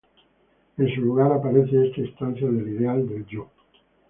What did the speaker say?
En su lugar aparece esta instancia del ideal del yo.